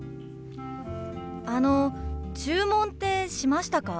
あの注文ってしましたか？